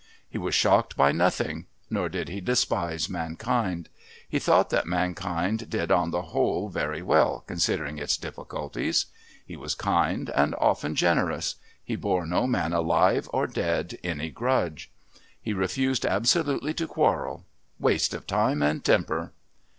He was shocked by nothing nor did he despise mankind. He thought that mankind did on the whole very well considering its difficulties. He was kind and often generous; he bore no man alive or dead any grudge. He refused absolutely to quarrel "waste of time and temper."